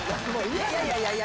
いやいやいやいや！